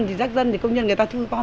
thì rác dân thì công nhân người ta thư bom